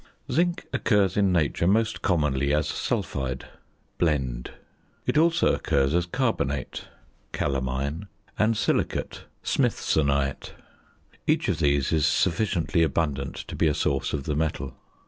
Zinc occurs in nature most commonly as sulphide (blende); it also occurs as carbonate (calamine) and silicate (smithsonite). Each of these is sufficiently abundant to be a source of the metal.